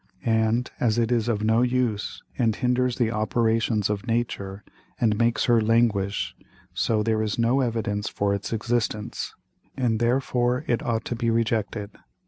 And as it is of no use, and hinders the Operations of Nature, and makes her languish, so there is no evidence for its Existence, and therefore it ought to be rejected.